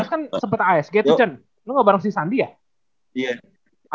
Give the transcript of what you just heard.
san lu dua ribu lima belas kan sempet asg tuh san lu gak bareng si sandy ya